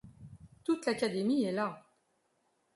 Toute l'académie est là.